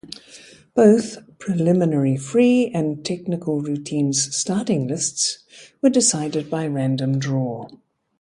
Both preliminary free and technical routines starting lists were decided by random draw.